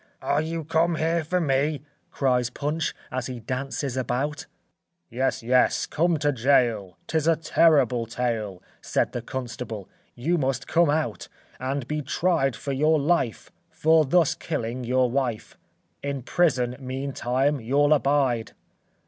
"Are you come here for me?" Cries Punch, as he dances about. "Yes, yes; come to jail, 'Tis a terrible tale," Said the constable, "you must come out, "And be tried for your life, For thus killing your wife; In prison, meantime, you'll abide."